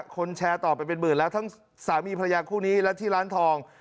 คนแชร์ต่อไปเป็นหมื่นแล้วทั้งสามีภรรยาคู่นี้และที่ร้านทอง